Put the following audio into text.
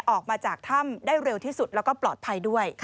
ออกมาจากถ้ำได้เร็วที่สุดแล้วก็ปลอดภัยด้วย